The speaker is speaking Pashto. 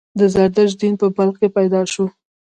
د زردشت دین په بلخ کې پیدا شو